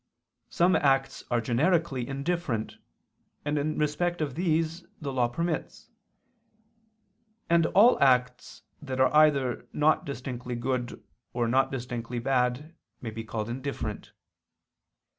Some acts are generically indifferent, and in respect of these the law permits; and all acts that are either not distinctly good or not distinctly bad may be called indifferent.